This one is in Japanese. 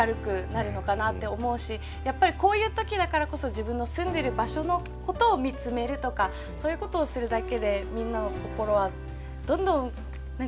やっぱりこういう時だからこそ自分の住んでる場所のことを見つめるとかそういうことをするだけでみんなの心はどんどん色が変わるじゃないけど。